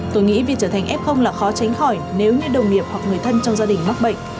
tôi nghĩ việc trở thành f là khó tránh khỏi nếu như đồng nghiệp hoặc người thân trong gia đình mắc bệnh